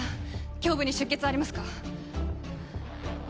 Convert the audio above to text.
胸部に出血はありますか？